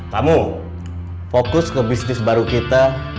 kamu fokus ke bisnis baru kita